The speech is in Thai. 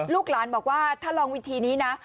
ลูกหลานบอกว่าถ้าลองวิธีนี้นะ